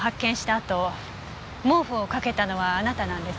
あと毛布をかけたのはあなたなんですね？